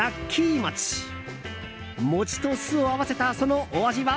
餅と酢を合わせた、そのお味は？